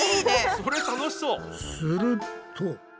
それ楽しそう。